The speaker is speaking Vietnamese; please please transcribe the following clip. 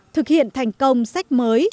thực hiện thành công sách mới